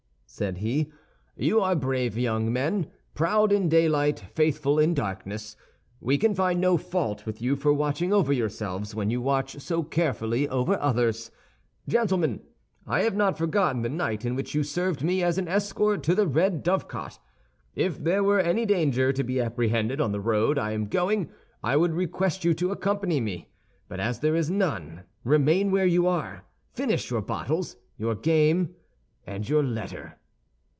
said he, "you are brave young men, proud in daylight, faithful in darkness. We can find no fault with you for watching over yourselves, when you watch so carefully over others. Gentlemen, I have not forgotten the night in which you served me as an escort to the Red Dovecot. If there were any danger to be apprehended on the road I am going, I would request you to accompany me; but as there is none, remain where you are, finish your bottles, your game, and your letter.